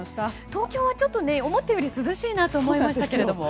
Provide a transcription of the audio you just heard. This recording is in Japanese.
東京は思ったより涼しいなと思いましたが。